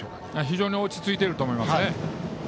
非常に落ち着いていると思います。